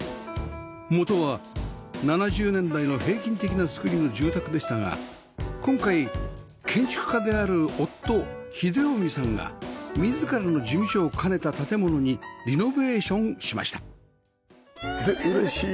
元は７０年代の平均的な造りの住宅でしたが今回建築家である夫英臣さんが自らの事務所を兼ねた建物にリノベーションしましたで嬉しい。